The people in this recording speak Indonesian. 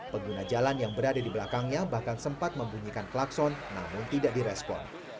pengguna jalan yang berada di belakangnya bahkan sempat membunyikan klakson namun tidak direspon